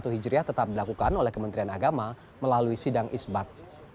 empat belas empat puluh satu hijriah tetap dilakukan oleh kementerian agama melalui sidang isbat